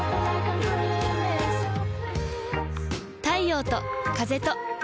太陽と風と